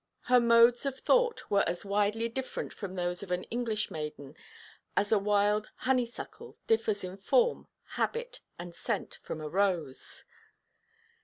Her modes of thought were as widely different from those of an English maiden, as a wild honeysuckle differs in form, habit, and scent, from a rose.